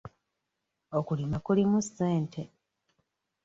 Okulima kulimu ssente.